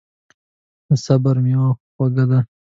د صبر میوه خوږه ده.